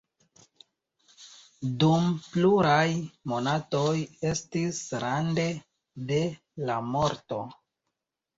Dum pluraj monatoj estis rande de la morto.